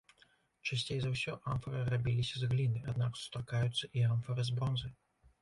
Часцей за ўсё амфары рабіліся з гліны, аднак сустракаюцца і амфары з бронзы.